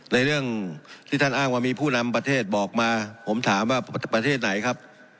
ในเรื่องที่ท่านอ้างว่ามีผู้นำประเทศบอกมาผมถามว่าประเทศไหนครับ